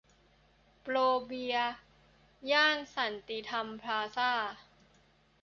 โปรเบียร์ ย่านสันติธรรมพลาซ่า